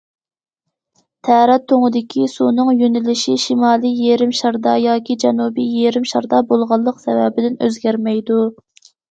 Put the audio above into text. تەرەت تۇڭىدىكى سۇنىڭ يۆنىلىشى شىمالىي يېرىم شاردا ياكى جەنۇبىي يېرىم شاردا بولغانلىق سەۋەبىدىن ئۆزگەرمەيدۇ.